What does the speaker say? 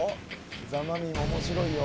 ザ・マミィも面白いよ